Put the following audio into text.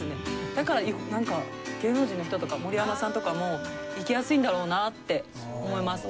だから芸能人の人とか森山さんとかも行きやすいんだろうなって思います。